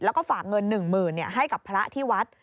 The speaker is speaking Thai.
แล้วก็ฝากเงินหนึ่งหมื่นให้กับพระที่วัด